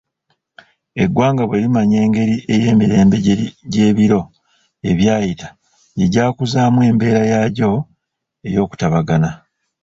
Eggwanga bwe limanya engeri emirembe egy'ebiro ebyayita gye gyakuzaamu embeera yaagyo ey'okutabagana.